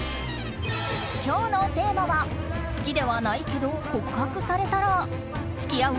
今日のテーマは好きではないけど告白されたら付き合う？